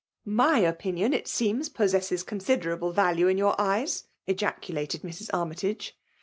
'\My opinion, it seems, possesses consider able value in your eyes!" ejaculated Mrs. Armytage.